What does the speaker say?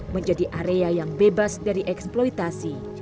menjadi area yang bebas dari eksploitasi